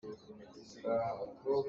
Vok a nguuk .